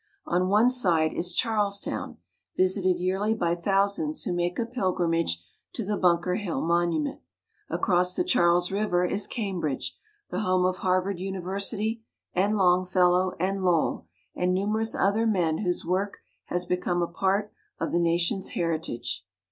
On one side is Charles town, visited yearly by thousands who make a pilgrimage to the Bunker Hill Monument. Across the Charles River is Cambridge, the home of Harvard University, and Long fellow, and Lowell, and numerous other men whose work has become a part of the nation's heritage.